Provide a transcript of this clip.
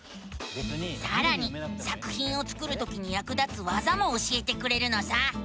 さらに作ひんを作るときにやく立つわざも教えてくれるのさ！